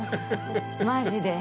マジで！